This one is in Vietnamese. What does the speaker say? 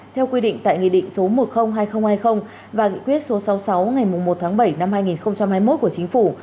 theo quy định tại nghị định số một trăm linh hai nghìn hai mươi và nghị quyết số sáu mươi sáu ngày một tháng bảy năm hai nghìn hai mươi một của chính phủ